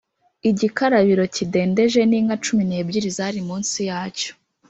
igikarabiro kidendeje n’inka cumi n’ebyiri zari munsi yacyo,